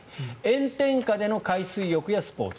炎天下での海水浴やスポーツ。